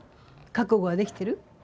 覚悟はできてる？